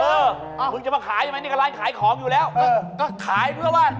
มึงจะมาขายใช่ไหมนี่ก็ร้านขายของอยู่แล้วก็ขายเพื่อบ้าน